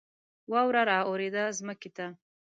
واوره را اوورېده ځمکې ته